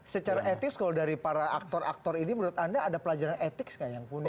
secara etis kalau dari para aktor aktor ini menurut anda ada pelajaran etik yang kemudian